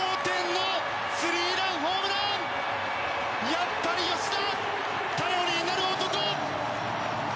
やっぱり吉田頼りになる男！